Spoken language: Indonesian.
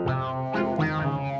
apalagi udah pain